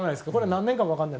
何年かも分からない。